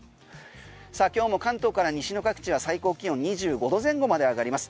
さあ今日も関東から西の各地は最高気温２５度前後まで上がります。